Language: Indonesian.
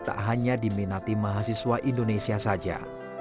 tak hanya diminati mahasiswa indonesia saja